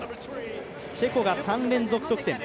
チェコが３連続得点。